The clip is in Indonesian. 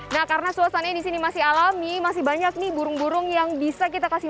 nah karena suasananya di sini masih alami masih banyak nih burung burung yang bisa kita kasih